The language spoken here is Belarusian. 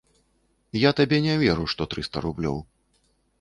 Я табе не веру, што трыста рублёў.